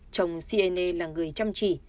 chồng siene là người chăm chỉ